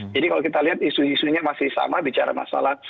jadi kalau kita lihat isu isunya masih sama bicara masalah